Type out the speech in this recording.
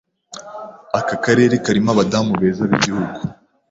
Aka karere karimo abadamu beza b'igihugu